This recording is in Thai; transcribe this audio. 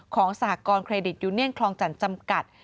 สหกรณเครดิตยูเนียนคลองจันทร์จำกัด